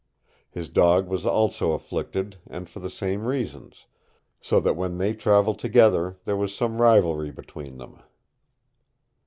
His dog was also afflicted and for the same reasons, so that when they traveled together there was some rivalry between them.